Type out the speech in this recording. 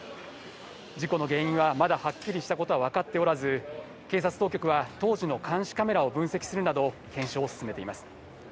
事故の原因がまだはっきりしたことはわかっておらず、警察当局は当時の監視カメラを分析するなど検証を進めています。